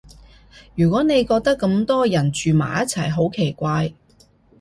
如果你覺得咁多個人住埋一齊好奇怪